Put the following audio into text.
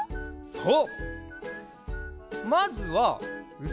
そう！